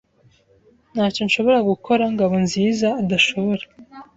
Ntacyo nshobora gukora Ngabonziza adashobora.